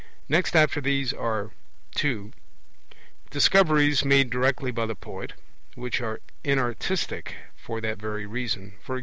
Next after these are (2) Discoveries made directly by the poet; which are inartistic for that very reason; e.g.